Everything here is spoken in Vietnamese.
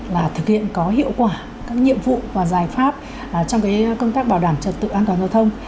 là thực hiện có hiệu quả các nhiệm vụ và giải pháp trong công tác bảo đảm trật tự an toàn giao thông